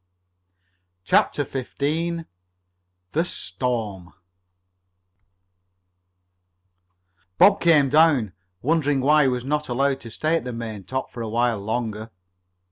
CHAPTER XV THE STORM Bob came down, wondering why he was not allowed to stay at the maintop for a while longer.